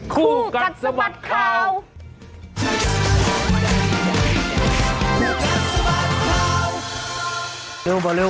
คู่กัลสมัคร